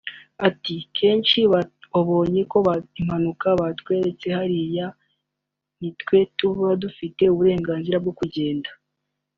Ati “kenshi wabonye ko impanuka batweretse hariya nitwe tuba dufite uburenganzira bwo kugenda